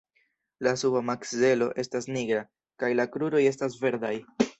La suba makzelo estas nigra, kaj la kruroj estas verdaj.